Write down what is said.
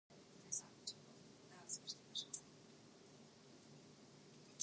All three islets have precipitous cliffs, dropping off steeply into the sea.